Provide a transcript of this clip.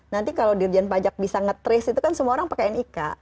nanti kalau dirjen pajak bisa nge trace itu kan semua orang pakai nik